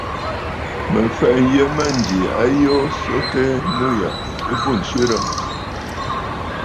Mə fɛ̀ʼɛ nyə mânjì a yoo so tɛɛ, nû yâ ɨ bû ǹswerə!